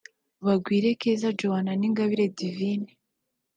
Bagwire Keza Joanah na Ingabire Divine